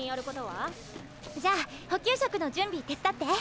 じゃあ補給食の準備手伝って。